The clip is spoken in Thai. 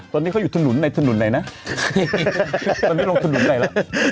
ตอนนี้เขาอยู่ถนนในถนนไหนนะตอนนี้ลงถนนไหนแล้ว